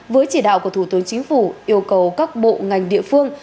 với chỉ đạo của thủ tướng chính phủ yêu cầu các bộ ngành địa phương